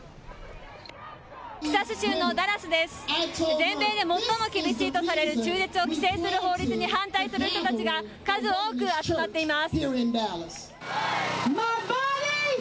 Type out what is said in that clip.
全米でも最も厳しいとされる中絶を規制する法律に反対する人たちが数多く集まっています。